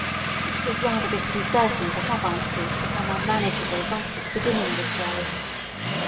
It was rather disconcerting to have Aunt Crete become unmanageable right at the beginning this way.